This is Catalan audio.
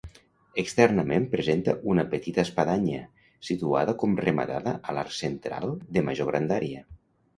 Externament presenta una petita espadanya, situada com rematada a l'arc central, de major grandària.